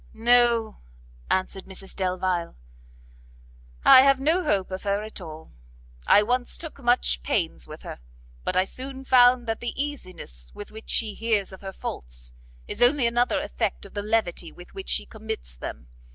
"No," answered Mrs Delvile, "I have no hope of her at all. I once took much pains with her; but I soon found that the easiness with which she hears of her faults, is only another effect of the levity with which she commits them.